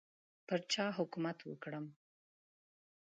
پر چا حکومت وکړم.